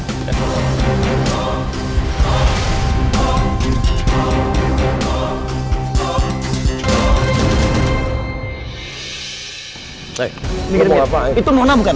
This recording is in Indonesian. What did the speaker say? hei ini dia itu mona bukan